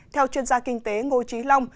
theo chuyên gia kinh tế ngô trí long